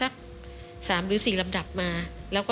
แล้วก็จะดูดของเหลวใส่ในจานเผ็ดอาหารลิงเชื้อพวกนี้